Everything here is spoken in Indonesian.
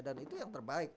dan itu yang terbaik